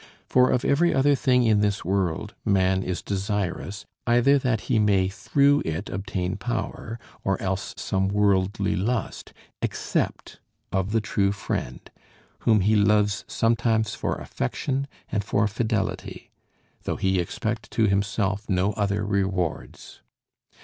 For of every other thing in this world, man is desirous, either that he may through it obtain power, or else some worldly lust; except of the true friend, whom he loves sometimes for affection and for fidelity, though he expect to himself no other rewards.